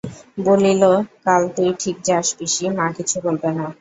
বলিল, কাল তুই ঠিক যাস পিসি, মা কিছু বলবে না।